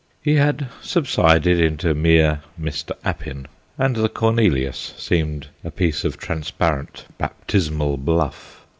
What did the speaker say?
He had subsided into mere Mr. Appin, and the Cornelius seemed a piece of transparent baptismal bluff.